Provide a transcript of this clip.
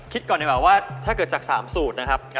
คิดก่อนไว้ว่าถ้าเกิดจาก๓สูตรนะครับ